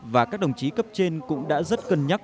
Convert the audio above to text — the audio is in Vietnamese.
và các đồng chí cấp trên cũng đã rất cân nhắc